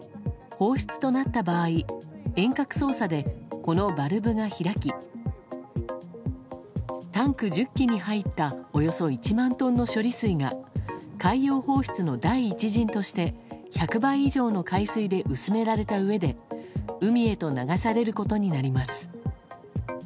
放出となった場合遠隔操作でこのバルブが開きタンク１０基に入ったおよそ１万トンの処理水が海洋放出の第一陣として１００倍以上の海水で薄められたうえで海へと流されることになります。